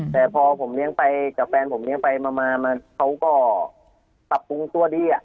แต่พอแฟนผมเลี้ยงไปเขาก็กลับตรวงนั้นจึงเป็นตัวดี